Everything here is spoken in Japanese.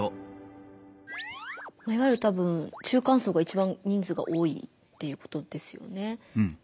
いわゆるたぶん中間層が一番人数が多いっていうことですよね。